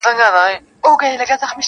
• هم په دام کي وه دانه هم غټ ملخ وو -